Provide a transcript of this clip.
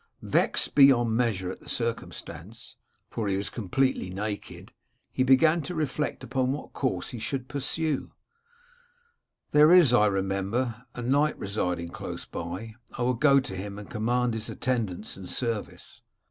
Vexed beyond measure at the circumstance, for he was com pletely naked, he began to reflect upon what course he should pursue, * There is, I remember, a knight residing close by ; I will go to him and command his attendance and service.